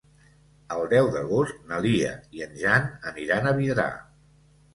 El deu d'agost na Lia i en Jan aniran a Vidrà.